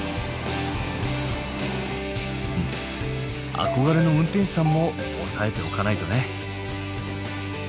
憧れの運転手さんも押さえておかないとね。